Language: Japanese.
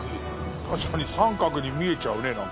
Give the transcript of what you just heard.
確かに三角に見えちゃうね。